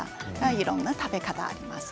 いろんな食べ方があります。